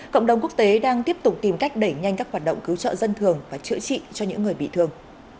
cộng đồng quốc tế đang tiếp tục tìm cách đẩy nhanh các hoạt động cứu trợ dân thường và chữa trị cho những người bị thương